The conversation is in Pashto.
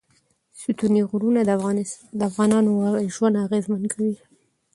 ستوني غرونه د افغانانو ژوند اغېزمن کوي.